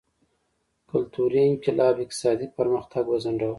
کلتوري انقلاب اقتصادي پرمختګ وځنډاوه.